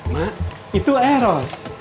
mak itu eros